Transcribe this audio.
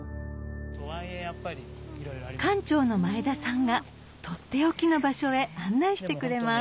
館長の前田さんがとっておきの場所へ案内してくれます